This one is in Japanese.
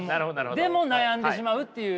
でも悩んでしまうっていう。